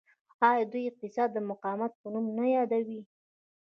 آیا دوی اقتصاد د مقاومت په نوم نه یادوي؟